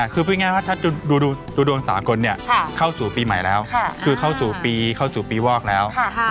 คือพูดง่ายว่าถ้าดูดวงสากลเนี่ยเข้าสู่ปีใหม่แล้วคือเข้าสู่ปีวอกแล้ว